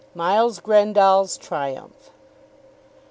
MILES GRENDALL'S TRIUMPH.